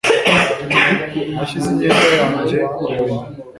Nashyize imyenda yanjye ku buriri